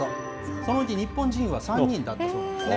そのうち日本人は３人だったそうなんですね。